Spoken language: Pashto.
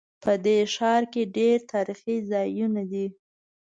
په دې ښار کې ډېر تاریخي ځایونه دي